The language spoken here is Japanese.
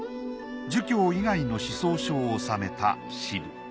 儒教以外の思想書を収めた「子部」。